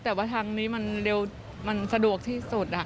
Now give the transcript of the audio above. แต่ว่าทางนี้มันเร็วมันสะดวกที่สุด